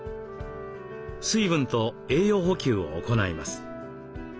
水分と栄養補給を行います。